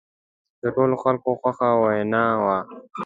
د ټولو خلکو خوښه وینا وه.